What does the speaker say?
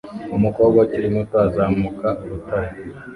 Umukobwa ukiri muto azamuka urutare